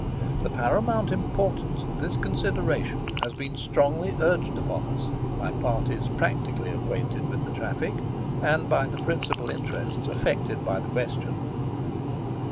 The paramount importance of this consideration has been strongly urged upon us by parties practically acquainted with the traffic, and by the principal interests affected by the question.